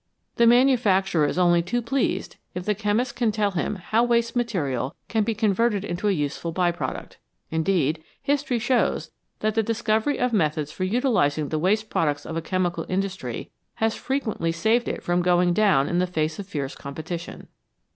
The manufacturer is only too pleased if the chemist can tell him how waste material can be converted into a useful by product. Indeed, history shows that the dis covery of methods for utilising the waste products of a chemical industry has frequently saved it from going down in the face of fierce competition.